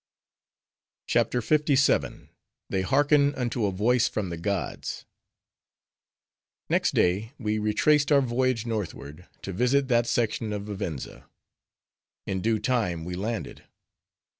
CHAPTER LVII. They Hearken Unto A Voice From The Gods Next day we retraced our voyage northward, to visit that section of Vivenza. In due time we landed.